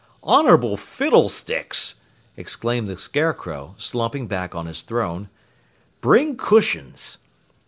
"Honorable fiddlesticks!" exclaimed the Scarecrow, slumping back on his throne. "Bring cushions."